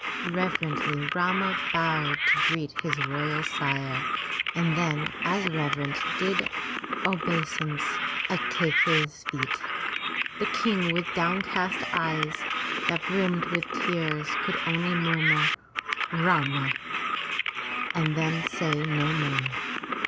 Reverently Rama bowed to greet his royal sire, and then as reverent, did obeisance at Kai key'i's feet. The King with down cast eyes, that brimmed with tears, could only murmur, Rama!" and then say no more.